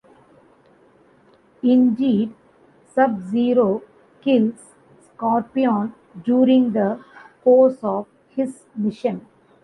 Indeed, Sub-Zero kills Scorpion during the course of his mission.